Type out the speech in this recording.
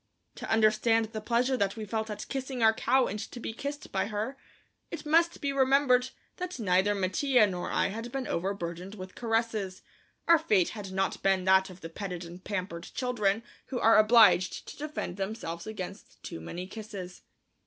To understand the pleasure that we felt at kissing our cow and to be kissed by her, it must be remembered that neither Mattia nor I had been overburdened with caresses; our fate had not been that of the petted and pampered children who are obliged to defend themselves against too many kisses.